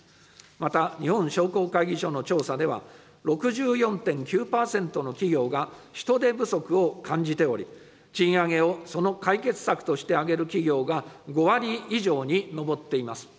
また、日本商工会議所の調査では、６４．９％の企業が人手不足を感じており、賃上げをその解決策として挙げる企業が５割以上に上っています。